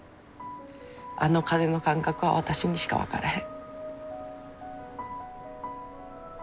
あの風の感覚は私にしか分からへん。